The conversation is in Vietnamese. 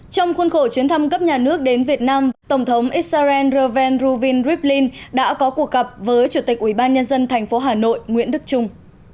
trong khuôn khổ chuyến thăm cấp nhà nước đến việt nam tổng thống israel reen rovin rivlin đã có cuộc gặp với chủ tịch ubnd tp hà nội nguyễn đức trung